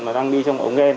mà đang đi trong ống ghen